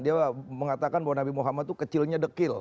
dia mengatakan bahwa nabi muhammad itu kecilnya dekil